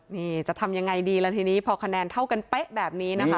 นี่จะทำยังไงดีแล้วทีนี้พอคะแนนเท่ากันเป๊ะแบบนี้นะคะ